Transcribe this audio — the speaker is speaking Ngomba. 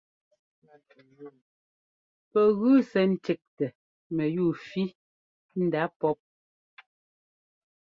Pɛ gʉ sɛ́ ńtíꞌtɛ mɛyúu fí ndá pɔ́p.